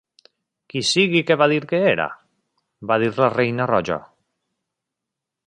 "Qui sigui que va dir que era?" va dir la Reina Roja.